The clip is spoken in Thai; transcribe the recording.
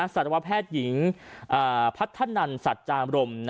สัตวแพทย์หญิงพัฒนันสัจจามรม